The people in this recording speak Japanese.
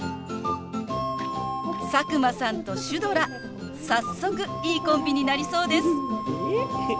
佐久間さんとシュドラ早速いいコンビになりそうです。